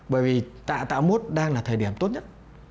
bởi vì tạ tạo mốt đang là thời điểm tốt nhất